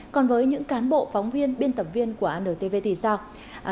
còn với những cán bộ phóng viên biên tập viên của antv thì sao